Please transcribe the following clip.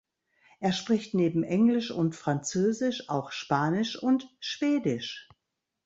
Er spricht neben Englisch und Französisch auch Spanisch und Schwedisch.